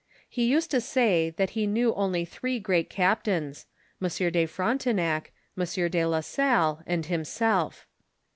He used to say, that he knew only three great captains, M. de Frontonac, M. de la Salle, and himself.